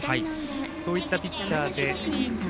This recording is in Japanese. そういったピッチャーで。